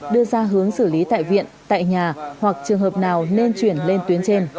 đưa ra hướng xử lý tại viện tại nhà hoặc trường hợp nào nên chuyển lên tuyến trên